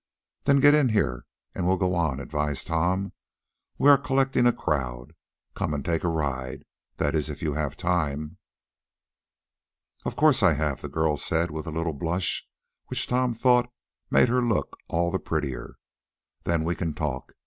"Then get in here, and we'll go on." advised Tom. "We are collecting a crowd. Come and take a ride; that is if you have time." "Of course I have," the girl said, with a little blush, which Tom thought made her look all the prettier. "Then we can talk.